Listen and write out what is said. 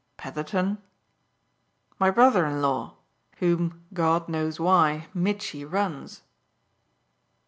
"Petherton?" "My brother in law whom, God knows why, Mitchy runs."